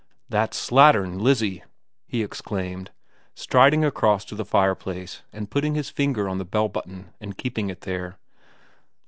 ' That slattern Lizzie !' he exclaimed, striding across to the fireplace and putting his finger on the bell button and keeping it there.